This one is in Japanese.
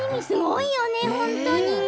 すごいよね、本当に。